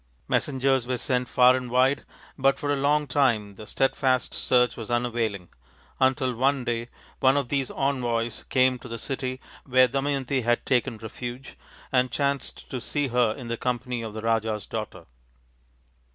Messengers were sent far and wide, but for a long time the steadfast search was unavailing, until one day one of these envoys came to the city where Damayanti had taken refuge and chanced to see her in the company of the Raja's daughter.